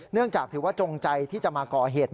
จากถือว่าจงใจที่จะมาก่อเหตุ